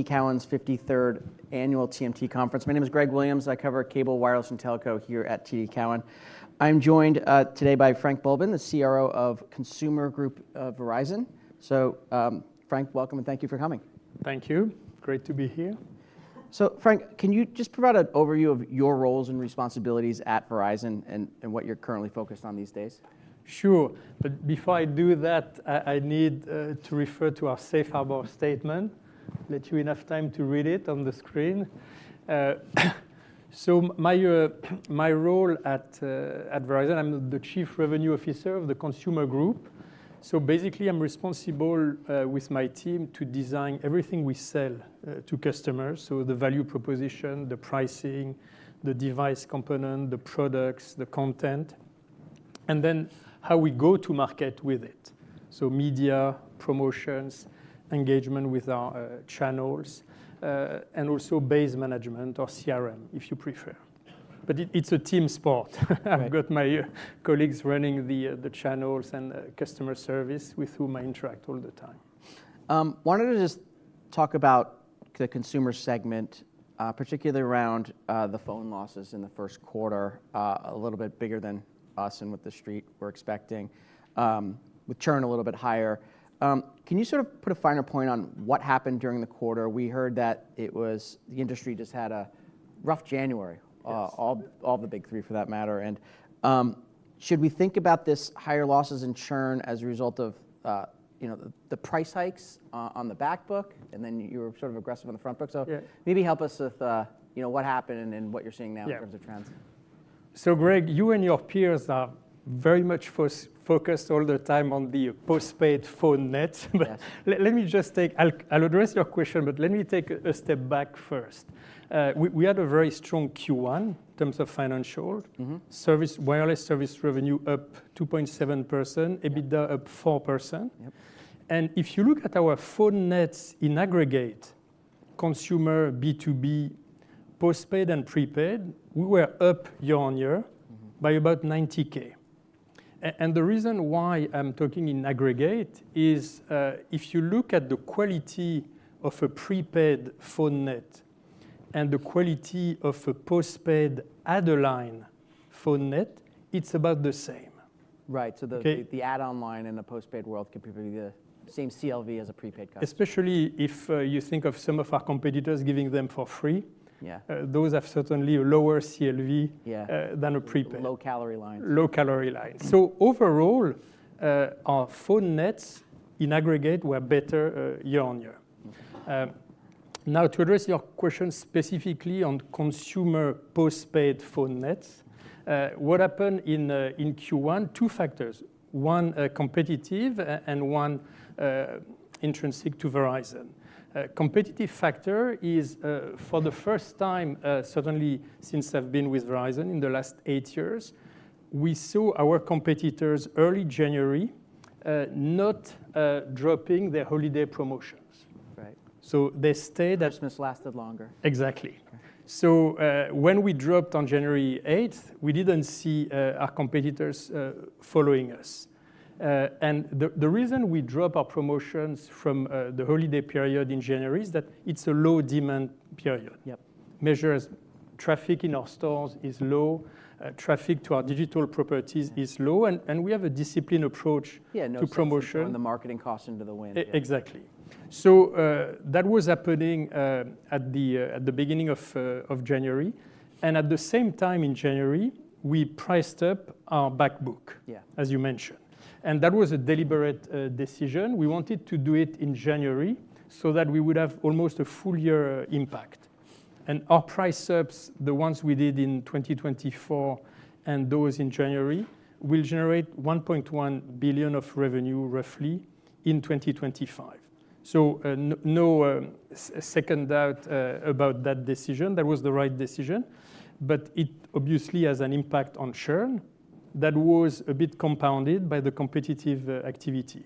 TD Cowen's 53rd Annual TMT Conference. My name is Greg Williams. I cover cable, wireless, and telco here at TD Cowen. I'm joined today by Frank Boulben, the CRO of Consumer Group Verizon. Frank, welcome and thank you for coming. Thank you. Great to be here. Frank, can you just provide an overview of your roles and responsibilities at Verizon and what you're currently focused on these days? Sure. Before I do that, I need to refer to our safe harbor statement. I'll let you have enough time to read it on the screen. My role at Verizon, I'm the Chief Revenue Officer of the Consumer Group. Basically, I'm responsible with my team to design everything we sell to customers: the value proposition, the pricing, the device component, the products, the content, and then how we go to market with it. Media, promotions, engagement with our channels, and also base management or CRM, if you prefer. It's a team sport. I've got my colleagues running the channels and customer service with whom I interact all the time. Wanted to just talk about the consumer segment, particularly around the phone losses in the first quarter, a little bit bigger than us and what the Street were expecting, with churn a little bit higher. Can you sort of put a finer point on what happened during the quarter? We heard that the industry just had a rough January, all the big three for that matter. Should we think about this higher losses in churn as a result of the price hikes on the backbook? You were sort of aggressive on the frontbook. Maybe help us with what happened and what you're seeing now in terms of trends. Greg, you and your peers are very much focused all the time on the postpaid phone net. Let me just take—I will address your question, but let me take a step back first. We had a very strong Q1 in terms of financial service, wireless service revenue up 2.7%, EBITDA up 4%. If you look at our phone nets in aggregate, consumer, B2B, postpaid, and prepaid, we were up year on year by about 90,000. The reason why I am talking in aggregate is if you look at the quality of a prepaid phone net and the quality of a postpaid Adeline phone net, it is about the same. Right. So, the add-on line in the postpaid world could be the same CLV as a prepaid customer. Especially if you think of some of our competitors giving them for free. Those have certainly a lower CLV than a prepaid. Low calorie lines. Low calorie lines. Overall, our phone nets in aggregate were better year on year. Now, to address your question specifically on consumer postpaid phone nets, what happened in Q1? Two factors. One competitive and one intrinsic to Verizon. Competitive factor is, for the first time, certainly since I've been with Verizon in the last eight years, we saw our competitors early January not dropping their holiday promotions. They stayed. Christmas lasted longer. Exactly. When we dropped on January 8th, we didn't see our competitors following us. The reason we drop our promotions from the holiday period in January is that it's a low demand period. Measures traffic in our stores is low. Traffic to our digital properties is low. We have a disciplined approach to promotion. Yeah, no churn and the marketing cost into the win. Exactly. That was happening at the beginning of January. At the same time in January, we priced up our backbook, as you mentioned. That was a deliberate decision. We wanted to do it in January so that we would have almost a full year impact. Our price ups, the ones we did in 2024 and those in January, will generate $1.1 billion of revenue roughly in 2025. No second doubt about that decision. That was the right decision. It obviously has an impact on churn that was a bit compounded by the competitive activity.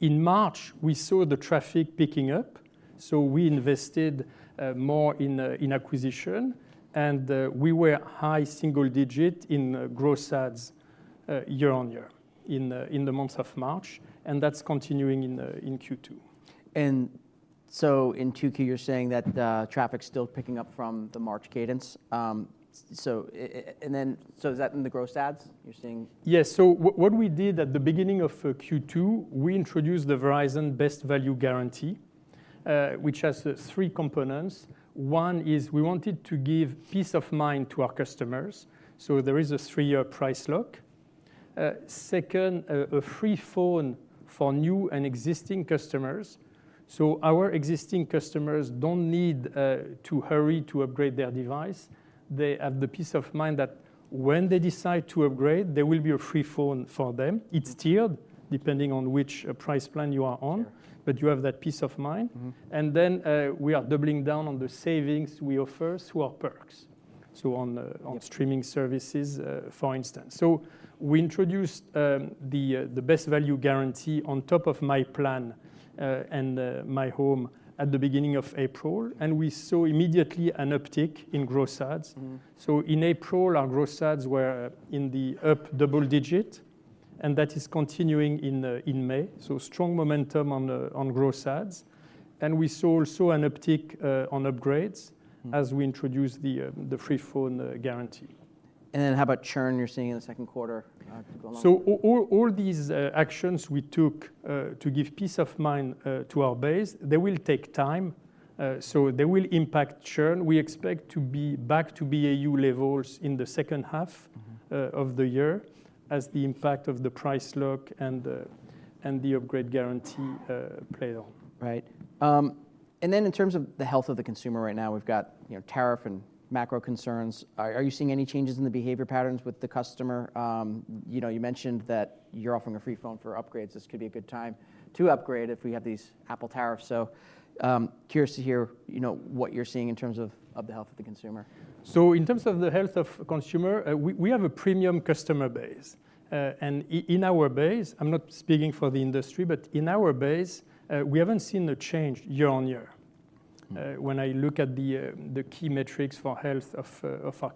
In March, we saw the traffic picking up. We invested more in acquisition. We were high single digit in gross ads year on year in the month of March. That is continuing in Q2. In Q2, you're saying that traffic's still picking up from the March cadence. Is that in the gross ads you're seeing? Yes. What we did at the beginning of Q2, we introduced the Verizon Best Value Guarantee, which has three components. One is we wanted to give peace of mind to our customers. There is a three-year price lock. Second, a free phone for new and existing customers. Our existing customers do not need to hurry to upgrade their device. They have the peace of mind that when they decide to upgrade, there will be a free phone for them. It is tiered depending on which price plan you are on. You have that peace of mind. We are doubling down on the savings we offer through our perks, on streaming services, for instance. We introduced the Best Value Guarantee on top of my plan and my home at the beginning of April. We saw immediately an uptick in gross ads. In April, our gross ads were in the up double digit. That is continuing in May. Strong momentum on gross ads. We saw also an uptick on upgrades as we introduced the free phone guarantee. How about churn you're seeing in the second quarter? All these actions we took to give peace of mind to our base, they will take time. They will impact churn. We expect to be back to BAU levels in the second half of the year as the impact of the price lock and the upgrade guarantee play on. Right. In terms of the health of the consumer right now, we've got tariff and macro concerns. Are you seeing any changes in the behavior patterns with the customer? You mentioned that you're offering a free phone for upgrades. This could be a good time to upgrade if we have these Apple tariffs. Curious to hear what you're seeing in terms of the health of the consumer. In terms of the health of consumer, we have a premium customer base. In our base, I'm not speaking for the industry, but in our base, we haven't seen a change year on year. When I look at the key metrics for health of our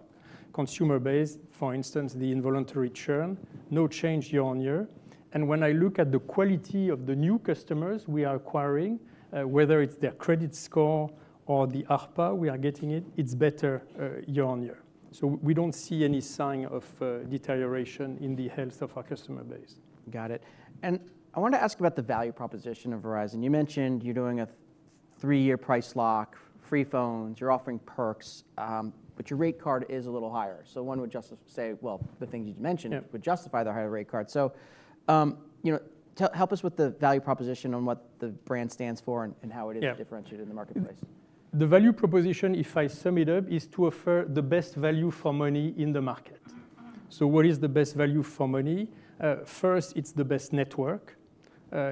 consumer base, for instance, the involuntary churn, no change year on year. When I look at the quality of the new customers we are acquiring, whether it's their credit score or the ARPA we are getting, it's better year on year. We don't see any sign of deterioration in the health of our customer base. Got it. I wanted to ask about the value proposition of Verizon. You mentioned you're doing a three-year price lock, free phones. You're offering perks. Your rate card is a little higher. One would just say the things you mentioned would justify the higher rate card. Help us with the value proposition on what the brand stands for and how it is differentiated in the marketplace. The value proposition, if I sum it up, is to offer the best value for money in the market. What is the best value for money? First, it's the best network.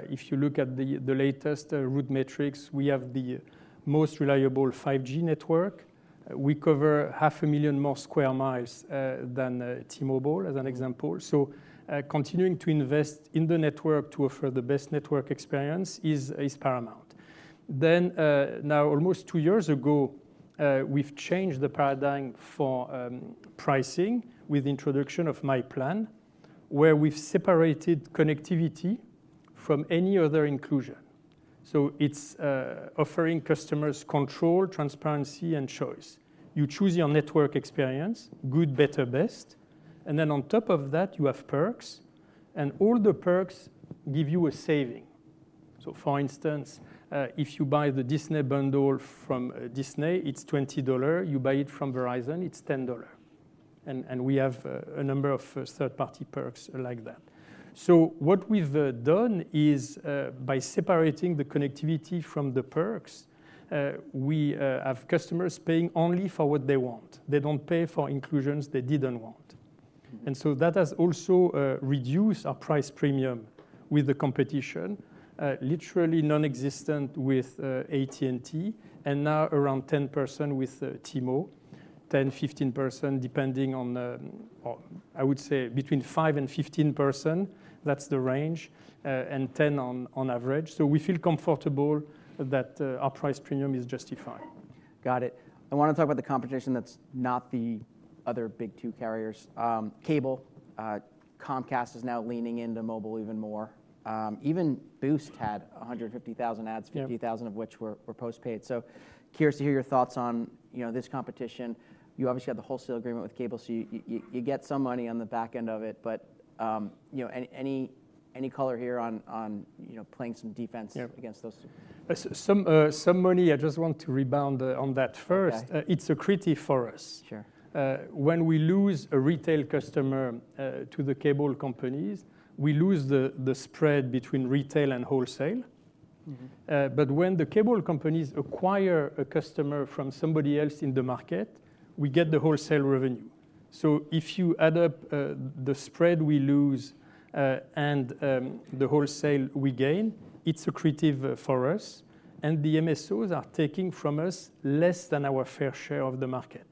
If you look at the latest route metrics, we have the most reliable 5G network. We cover 500,000 more sq mi than T-Mobile, as an example. Continuing to invest in the network to offer the best network experience is paramount. Now, almost two years ago, we've changed the paradigm for pricing with the introduction of my plan, where we've separated connectivity from any other inclusion. It's offering customers control, transparency, and choice. You choose your network experience, good, better, best. On top of that, you have perks. All the perks give you a saving. For instance, if you buy the Disney bundle from Disney, it's $20. You buy it from Verizon, it's $10. And we have a number of third-party perks like that. What we've done is, by separating the connectivity from the perks, we have customers paying only for what they want. They don't pay for inclusions they didn't want. That has also reduced our price premium with the competition, literally non-existent with AT&T, and now around 10% with T-Mobile, 10-15%, depending on, I would say, between 5 and 15%. That's the range, and 10% on average. We feel comfortable that our price premium is justified. Got it. I want to talk about the competition that's not the other big two carriers. Cable, Comcast is now leaning into mobile even more. Even Boost had 150,000 ads, 50,000 of which were postpaid. Curious to hear your thoughts on this competition. You obviously have the wholesale agreement with cable, so you get some money on the back end of it. Any color here on playing some defense against those? Some money, I just want to rebound on that first. It's a critic for us. When we lose a retail customer to the cable companies, we lose the spread between retail and wholesale. When the cable companies acquire a customer from somebody else in the market, we get the wholesale revenue. If you add up the spread we lose and the wholesale we gain, it's a critic for us. The MSOs are taking from us less than our fair share of the market.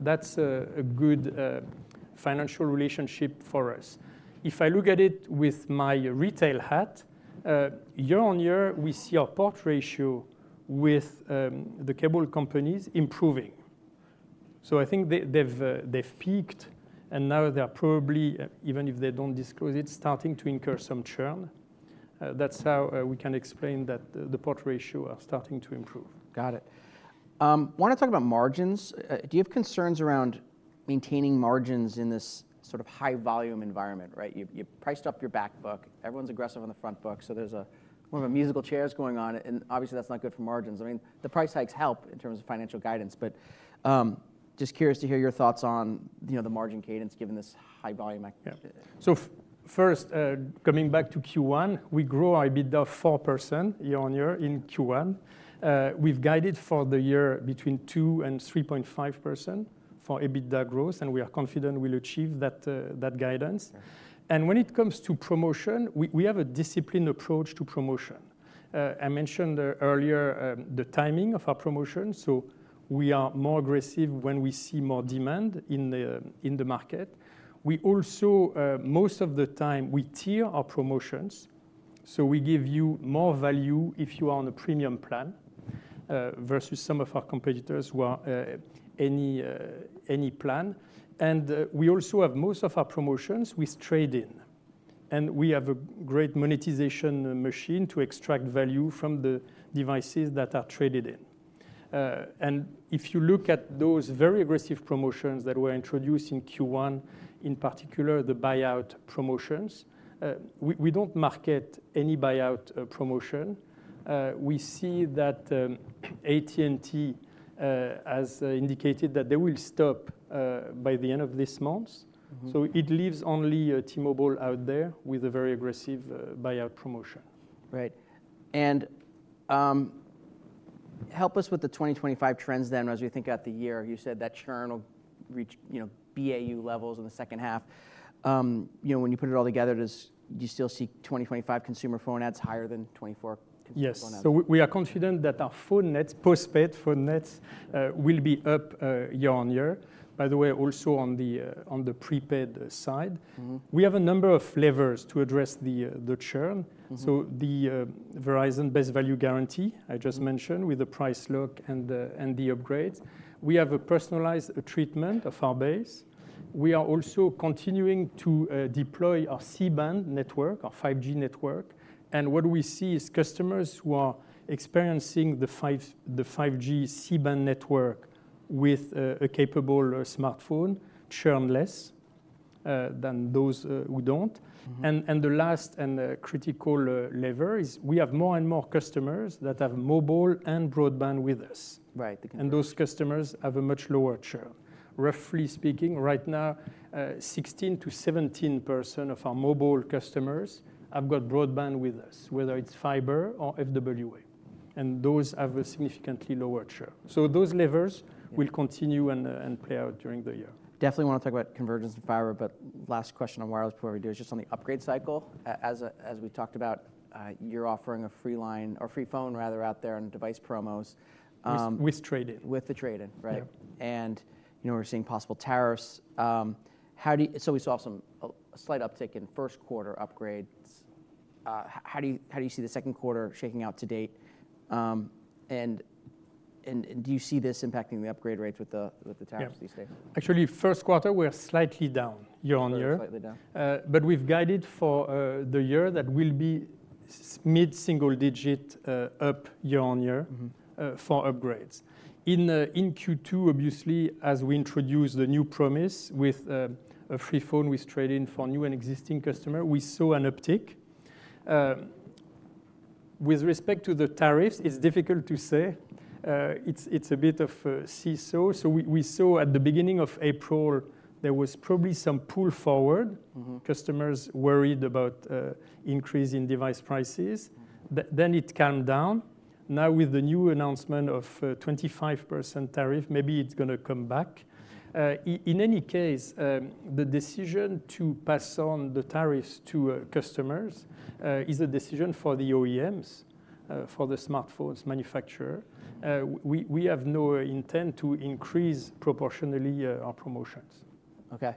That's a good financial relationship for us. If I look at it with my retail hat, year on year, we see our port ratio with the cable companies improving. I think they've peaked, and now they're probably, even if they don't disclose it, starting to incur some churn. That's how we can explain that the port ratio is starting to improve. Got it. I want to talk about margins. Do you have concerns around maintaining margins in this sort of high-volume environment? Right? You've priced up your backbook. Everyone's aggressive on the frontbook. There's more of a musical chairs going on. Obviously, that's not good for margins. I mean, the price hikes help in terms of financial guidance. Just curious to hear your thoughts on the margin cadence given this high volume. First, coming back to Q1, we grow our EBITDA 4% year on year in Q1. We've guided for the year between 2-3.5% for EBITDA growth. We are confident we'll achieve that guidance. When it comes to promotion, we have a disciplined approach to promotion. I mentioned earlier the timing of our promotion. We are more aggressive when we see more demand in the market. We also, most of the time, we tier our promotions. We give you more value if you are on a premium plan versus some of our competitors who are any plan. We also have most of our promotions with trade-in. We have a great monetization machine to extract value from the devices that are traded in. If you look at those very aggressive promotions that were introduced in Q1, in particular the buyout promotions, we do not market any buyout promotion. We see that AT&T has indicated that they will stop by the end of this month. It leaves only T-Mobile out there with a very aggressive buyout promotion. Right. Help us with the 2025 trends then, as we think about the year. You said that churn will reach BAU levels in the second half. When you put it all together, do you still see 2025 consumer phone ads higher than 2024 consumer phone ads? Yes. We are confident that our phone nets, postpaid phone nets, will be up year on year, by the way, also on the prepaid side. We have a number of levers to address the churn. The Verizon Best Value Guarantee I just mentioned with the price lock and the upgrades. We have a personalized treatment of our base. We are also continuing to deploy our C-band network, our 5G network. What we see is customers who are experiencing the 5G C-band network with a capable smartphone churn less than those who do not. The last and critical lever is we have more and more customers that have mobile and broadband with us. Those customers have a much lower churn. Roughly speaking, right now, 16-17% of our mobile customers have got broadband with us, whether it is fiber or FWA. Those have a significantly lower churn. Those levers will continue and play out during the year. Definitely want to talk about convergence and fiber. Last question on wireless before we do is just on the upgrade cycle. As we talked about, you're offering a free line or free phone, rather, out there on device promos. With trade-in. With the trade-in, right? And we're seeing possible tariffs. We saw a slight uptick in first quarter upgrades. How do you see the second quarter shaking out to date? Do you see this impacting the upgrade rates with the tariffs these days? Actually, first quarter, we're slightly down year on year. Slightly down. We have guided for the year that we will be mid-single digit up year on year for upgrades. In Q2, obviously, as we introduced the new promise with a free phone with trade-in for new and existing customers, we saw an uptick. With respect to the tariffs, it is difficult to say. It is a bit of a see-saw. We saw at the beginning of April, there was probably some pull forward. Customers worried about an increase in device prices. It calmed down. Now, with the new announcement of a 25% tariff, maybe it is going to come back. In any case, the decision to pass on the tariffs to customers is a decision for the OEMs, for the smartphone manufacturers. We have no intent to increase proportionally our promotions. Okay.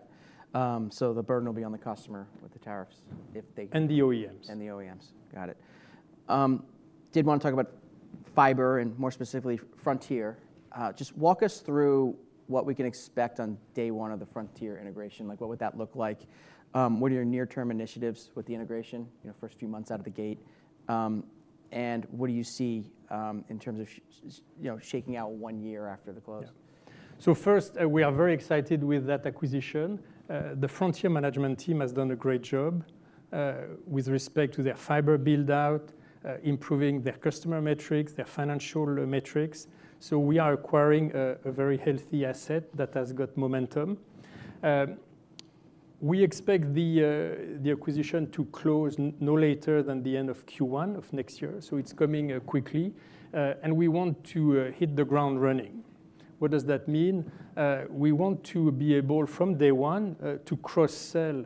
So, the burden will be on the customer with the tariffs if they. The OEMs. The OEMs. Got it. I did want to talk about fiber and, more specifically, Frontier. Just walk us through what we can expect on day one of the Frontier integration. What would that look like? What are your near-term initiatives with the integration, first few months out of the gate? What do you see in terms of shaking out one year after the close? First, we are very excited with that acquisition. The Frontier management team has done a great job with respect to their fiber build-out, improving their customer metrics, their financial metrics. We are acquiring a very healthy asset that has got momentum. We expect the acquisition to close no later than the end of Q1 of next year. It's coming quickly. We want to hit the ground running. What does that mean? We want to be able, from day one, to cross-sell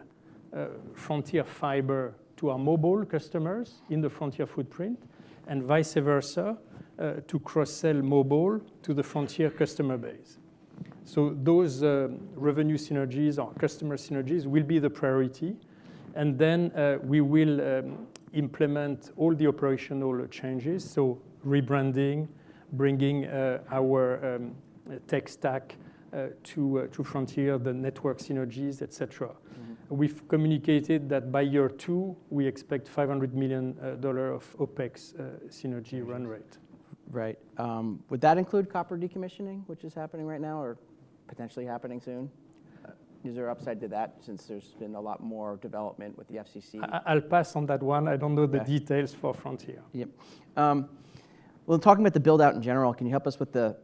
Frontier fiber to our mobile customers in the Frontier footprint, and vice versa, to cross-sell mobile to the Frontier customer base. Those revenue synergies, our customer synergies, will be the priority. Then we will implement all the operational changes, rebranding, bringing our tech stack to Frontier, the network synergies, et cetera. We've communicated that by year two, we expect $500 million of OPEX synergy run rate. Right. Would that include copper decommissioning, which is happening right now or potentially happening soon? Is there upside to that, since there's been a lot more development with the FCC? I'll pass on that one. I don't know the details for Frontier. Yep. Talking about the build-out in general, can you help us with the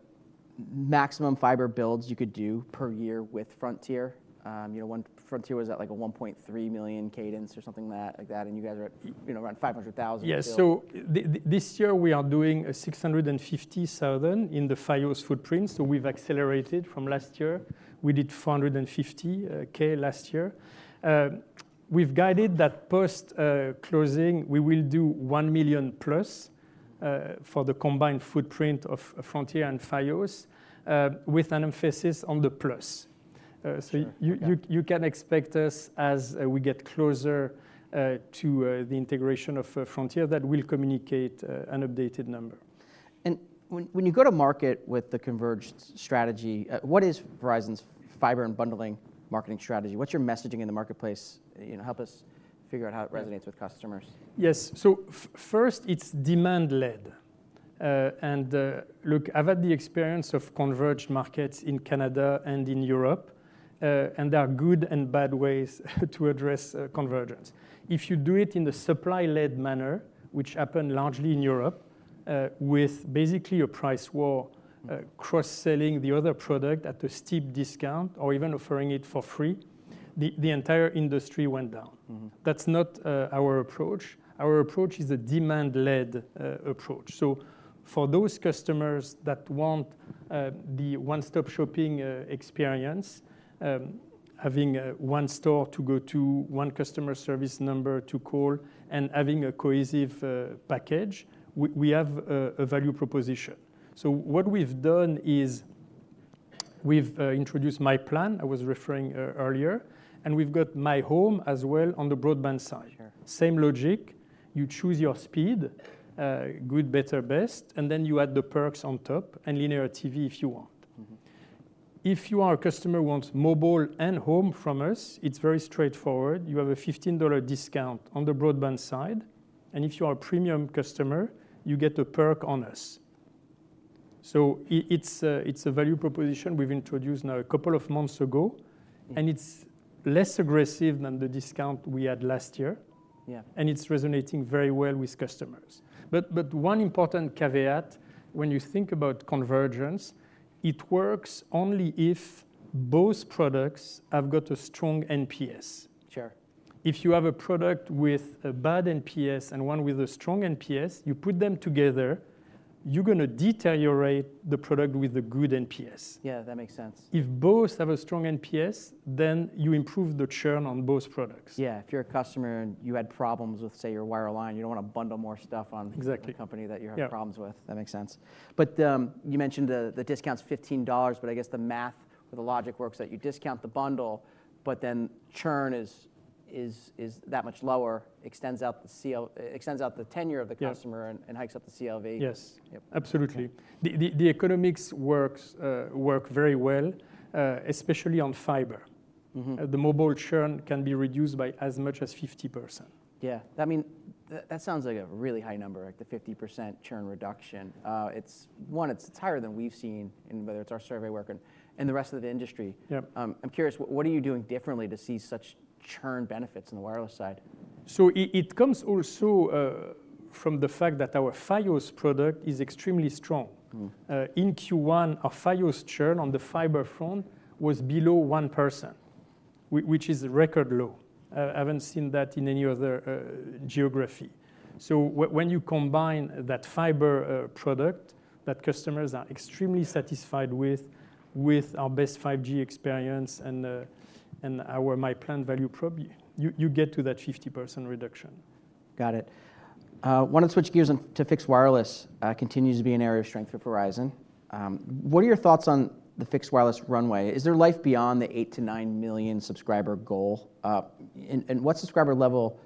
maximum fiber builds you could do per year with Frontier? Frontier was at like a 1.3 million cadence or something like that. You guys were at around 500,000. Yes. This year, we are doing 650,000 in the FIOS footprint. We have accelerated from last year. We did 450,000 last year. We have guided that post-closing, we will do 1 million plus for the combined footprint of Frontier and FIOS, with an emphasis on the plus. You can expect us, as we get closer to the integration of Frontier, that we will communicate an updated number. When you go to market with the converged strategy, what is Verizon's fiber and bundling marketing strategy? What's your messaging in the marketplace? Help us figure out how it resonates with customers. Yes. First, it's demand-led. Look, I've had the experience of converged markets in Canada and in Europe. There are good and bad ways to address convergence. If you do it in a supply-led manner, which happened largely in Europe, with basically a price war, cross-selling the other product at a steep discount, or even offering it for free, the entire industry went down. That's not our approach. Our approach is a demand-led approach. For those customers that want the one-stop shopping experience, having one store to go to, one customer service number to call, and having a cohesive package, we have a value proposition. What we've done is we've introduced my plan I was referring to earlier. We've got my home as well on the broadband side. Same logic. You choose your speed, good, better, best, and then you add the perks on top and linear TV if you want. If you are a customer who wants mobile and home from us, it's very straightforward. You have a $15 discount on the broadband side. If you are a premium customer, you get a perk on us. It is a value proposition we've introduced now a couple of months ago. It is less aggressive than the discount we had last year. It is resonating very well with customers. One important caveat, when you think about convergence, it works only if both products have got a strong NPS. If you have a product with a bad NPS and one with a strong NPS, you put them together, you're going to deteriorate the product with the good NPS. Yeah, that makes sense. If both have a strong NPS, then you improve the churn on both products. Yeah. If you're a customer and you had problems with, say, your wireline, you don't want to bundle more stuff on the company that you have problems with. That makes sense. You mentioned the discount's $15. I guess the math or the logic works that you discount the bundle, but then churn is that much lower, extends out the tenure of the customer, and hikes up the CLV. Yes. Absolutely. The economics work very well, especially on fiber. The mobile churn can be reduced by as much as 50%. Yeah. I mean, that sounds like a really high number, like the 50% churn reduction. One, it's higher than we've seen, whether it's our survey work and the rest of the industry. I'm curious, what are you doing differently to see such churn benefits on the wireless side? It comes also from the fact that our FIOS product is extremely strong. In Q1, our FIOS churn on the fiber front was below 1%, which is record low. I haven't seen that in any other geography. When you combine that fiber product that customers are extremely satisfied with, with our best 5G experience and our my plan value prop, you get to that 50% reduction. Got it. Want to switch gears to fixed wireless, continues to be an area of strength for Verizon. What are your thoughts on the fixed wireless runway? Is there life beyond the 8-9 million subscriber goal? What subscriber level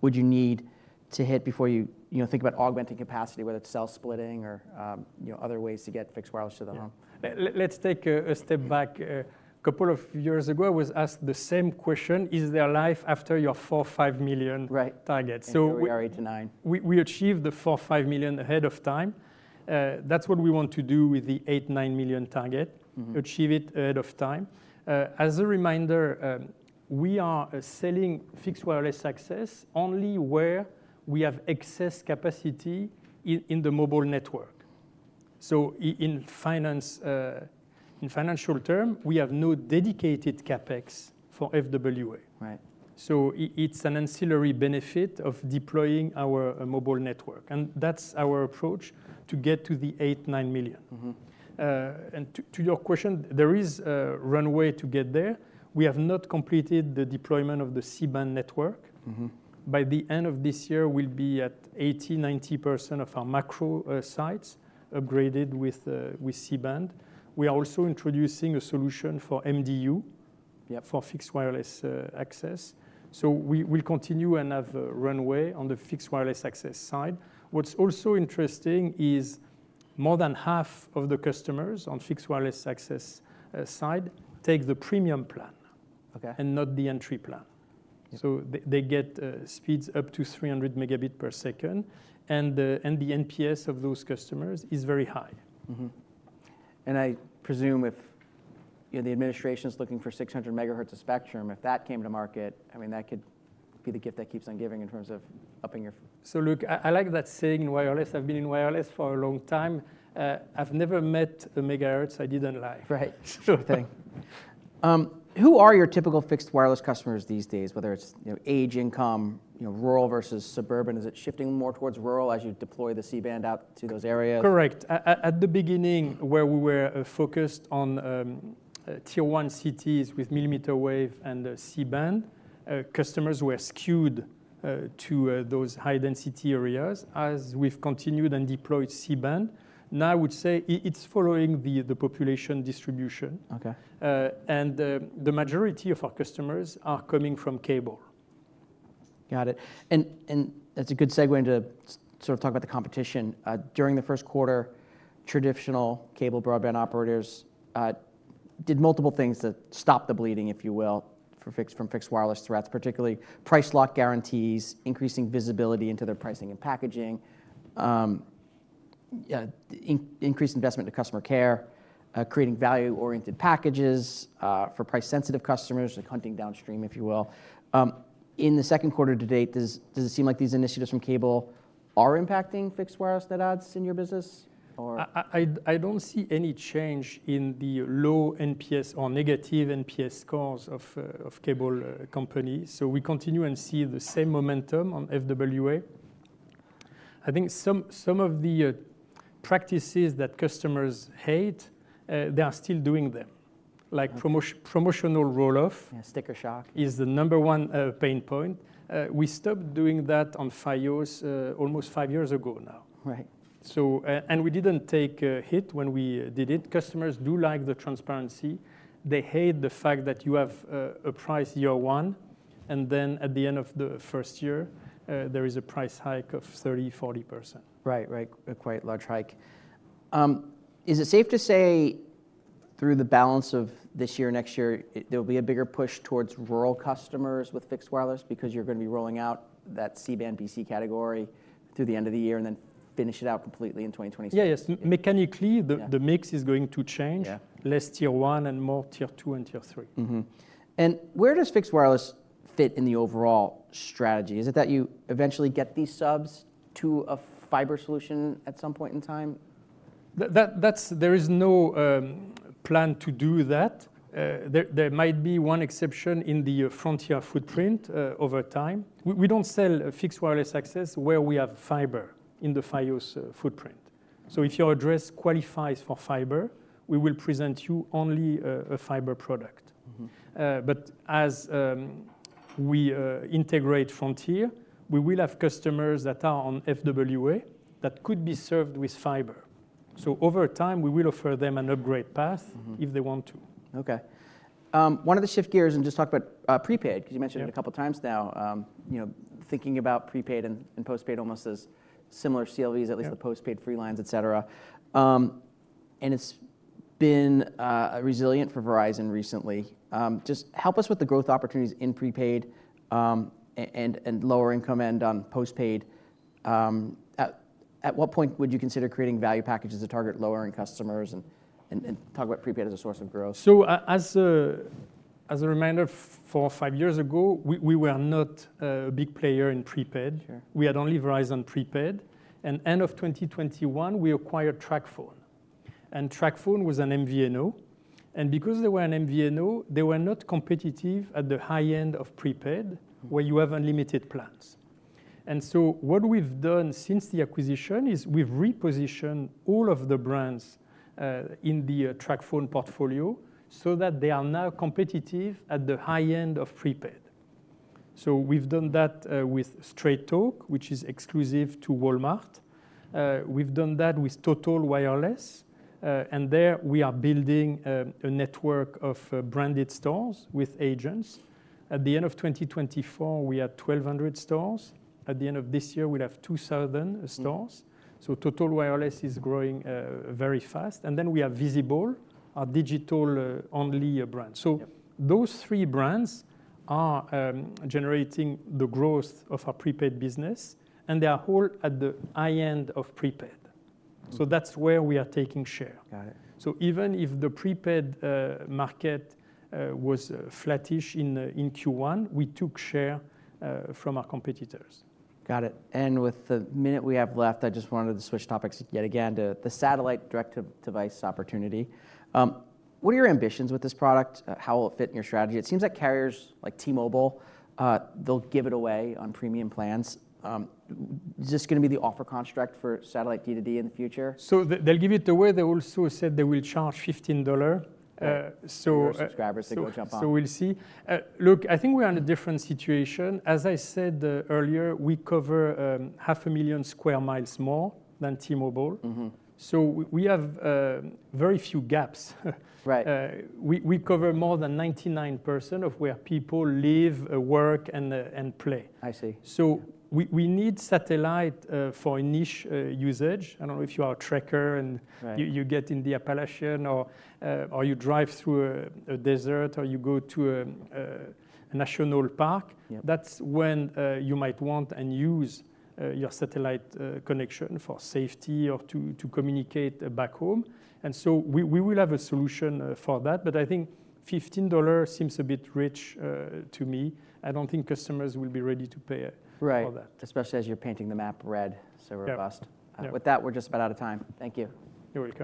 would you need to hit before you think about augmenting capacity, whether it's cell splitting or other ways to get fixed wireless to the home? Let's take a step back. A couple of years ago, I was asked the same question. Is there life after your 4, 5 million target? Right. Eight to nine. We achieved the 4-5 million ahead of time. That's what we want to do with the 8-9 million target, achieve it ahead of time. As a reminder, we are selling fixed wireless access only where we have excess capacity in the mobile network. In financial terms, we have no dedicated CAPEX for FWA. It is an ancillary benefit of deploying our mobile network. That is our approach to get to the 8-9 million. To your question, there is a runway to get there. We have not completed the deployment of the C-band network. By the end of this year, we will be at 80-90% of our macro sites upgraded with C-band. We are also introducing a solution for MDU for fixed wireless access. We will continue and have a runway on the fixed wireless access side. What's also interesting is more than half of the customers on fixed wireless access side take the premium plan and not the entry plan. They get speeds up to 300 megabit per second. The NPS of those customers is very high. I presume if the administration's looking for 600 megahertz of spectrum, if that came to market, I mean, that could be the gift that keeps on giving in terms of upping your. Look, I like that saying in wireless. I've been in wireless for a long time. I've never met the megahertz I didn't like. Right. Sure thing. Who are your typical fixed wireless customers these days, whether it's age, income, rural versus suburban? Is it shifting more towards rural as you deploy the C-band out to those areas? Correct. At the beginning, where we were focused on tier 1 cities with millimeter wave and C-band, customers were skewed to those high-density areas. As we've continued and deployed C-band, now I would say it's following the population distribution. The majority of our customers are coming from cable. Got it. That is a good segue into sort of talking about the competition. During the first quarter, traditional cable broadband operators did multiple things to stop the bleeding, if you will, from fixed wireless threats, particularly price lock guarantees, increasing visibility into their pricing and packaging, increased investment in customer care, creating value-oriented packages for price-sensitive customers, like hunting downstream, if you will. In the second quarter to date, does it seem like these initiatives from cable are impacting fixed wireless net adds in your business? I don't see any change in the low NPS or negative NPS scores of cable companies. We continue and see the same momentum on FWA. I think some of the practices that customers hate, they are still doing them. Like promotional roll-off. Sticker shock. Is the number one pain point. We stopped doing that on FIOS almost five years ago now. We didn't take a hit when we did it. Customers do like the transparency. They hate the fact that you have a price year one. Then at the end of the first year, there is a price hike of 30%, 40%. Right, right. A quite large hike. Is it safe to say, through the balance of this year and next year, there will be a bigger push towards rural customers with fixed wireless because you're going to be rolling out that C-band, BC category through the end of the year and then finish it out completely in 2026? Yes. Mechanically, the mix is going to change, less tier one and more tier two and tier three. Where does fixed wireless fit in the overall strategy? Is it that you eventually get these subs to a fiber solution at some point in time? There is no plan to do that. There might be one exception in the Frontier footprint over time. We do not sell fixed wireless access where we have fiber in the FIOS footprint. If your address qualifies for fiber, we will present you only a fiber product. As we integrate Frontier, we will have customers that are on FWA that could be served with fiber. Over time, we will offer them an upgrade path if they want to. OK. I want to shift gears and just talk about prepaid, because you mentioned it a couple of times now, thinking about prepaid and postpaid almost as similar CLVs, at least the postpaid free lines, et cetera. It has been resilient for Verizon recently. Just help us with the growth opportunities in prepaid and lower income end on postpaid. At what point would you consider creating value packages to target lower-income customers and talk about prepaid as a source of growth? As a reminder, four or five years ago, we were not a big player in prepaid. We had only Verizon prepaid. At the end of 2021, we acquired TracFone. TracFone was an MVNO. Because they were an MVNO, they were not competitive at the high end of prepaid, where you have unlimited plans. What we've done since the acquisition is we've repositioned all of the brands in the TracFone portfolio so that they are now competitive at the high end of prepaid. We've done that with Straight Talk, which is exclusive to Walmart. We've done that with Total Wireless. There, we are building a network of branded stores with agents. At the end of 2024, we had 1,200 stores. At the end of this year, we'll have 2,000 stores. Total Wireless is growing very fast. Then we have Visible, our digital-only brand. Those three brands are generating the growth of our prepaid business. They are all at the high end of prepaid. That is where we are taking share. Even if the prepaid market was flattish in Q1, we took share from our competitors. Got it. With the minute we have left, I just wanted to switch topics yet again to the satellite direct-to-device opportunity. What are your ambitions with this product? How will it fit in your strategy? It seems like carriers like T-Mobile, they'll give it away on premium plans. Is this going to be the offer construct for satellite D to D in the future? They'll give it away. They also said they will charge $15. For subscribers to go jump on. We'll see. Look, I think we're in a different situation. As I said earlier, we cover 500,000 sq mi more than T-Mobile. We have very few gaps. We cover more than 99% of where people live, work, and play. We need satellite for a niche usage. I don't know if you are a trekker and you get in the Appalachian or you drive through a desert or you go to a national park. That's when you might want and use your satellite connection for safety or to communicate back home. We will have a solution for that. I think $15 seems a bit rich to me. I don't think customers will be ready to pay for that. Right. Especially as you're painting the map red so robust. With that, we're just about out of time. Thank you. You're welcome.